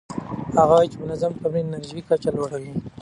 هغه وايي چې منظم تمرین د انرژۍ کچه لوړه کوي.